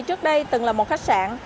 trước đây từng là một khách sạn